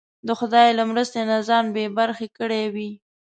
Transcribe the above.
د خدای له مرستې نه ځان بې برخې کړی وي.